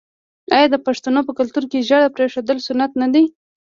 آیا د پښتنو په کلتور کې د ږیرې پریښودل سنت نه دي؟